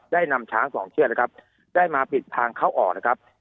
ได้นำช้างสองเชือกนะครับได้มาปิดทางเข้าออกนะครับ